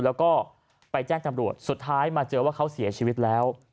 แล้วก็ไปแจ้งจำรวจสุดท้ายมาเจอว่าเขาเสียชีวิตแล้ว